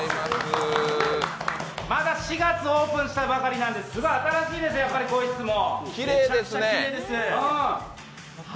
まだ４月オープンしたばかりなんでまだ新しいです、更衣室も。